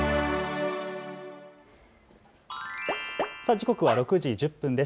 時刻は６時１０分です。